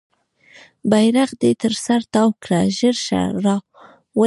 بیرغ دې تر سر تاو کړه ژر شه راوله سپیدې